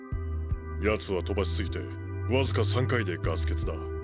ヤツは飛ばしすぎて僅か３回でガス欠だ。